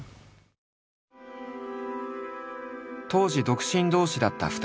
当時独身同士だった２人。